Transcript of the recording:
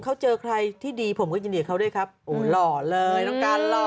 เขาเจอใครที่ดีผมก็ยินดีกับเขาด้วยครับโอ้หล่อเลยน้องการหล่อ